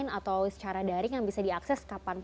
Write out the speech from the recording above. periman perempuan yang tegas dein yang tinggal di suara binatangar